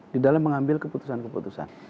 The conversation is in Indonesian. di dalam mengambil keputusan keputusan